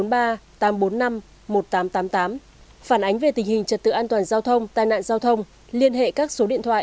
phản ánh về tình hình trật tự an toàn giao thông tai nạn giao thông liên hệ các số điện thoại